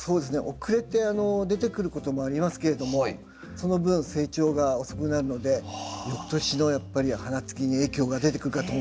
遅れて出てくることもありますけれどもその分成長が遅くなるのでよくとしのやっぱり花つきに影響が出てくるかと思います。